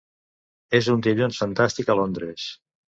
És un dilluns fantàstic a Londres.